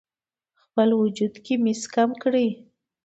خپل وجود کې مس کم کړئ: